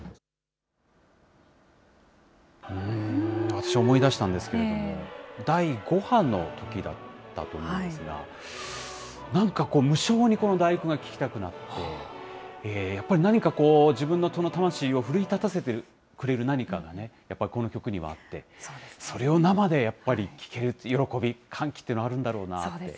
私、思い出したんですけれども、第５波のときだったと思うんですが、なんか、無性にこの第九が聴きたくなって、やっぱり何かこう、自分の魂を奮い立たせてくれる何かがやっぱりこの曲にはあって、それを生でやっぱり聴ける喜び、歓喜というのはあるんだろうなっ